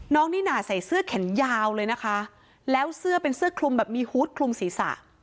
นิน่าใส่เสื้อแขนยาวเลยนะคะแล้วเสื้อเป็นเสื้อคลุมแบบมีฮูตคลุมศีรษะ